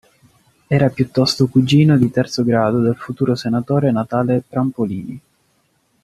Era piuttosto cugino di terzo grado del futuro senatore Natale Prampolini.